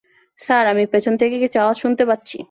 Sir, আমি পেছন থেকে কিছু আওয়াজ শুনতে পাচ্ছি।